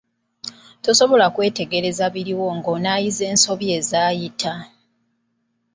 Tosobola kutereeza biriwo ng'onaayiza ensobi ezaayita.